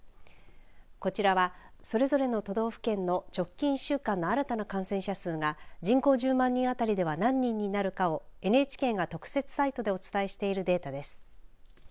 こちらは、それぞれの都道府県の直近１週間の新たな感染者数が人口１０万人当たりでは何人になるかをＮＨＫが特設サイトでお伝えしているデータです。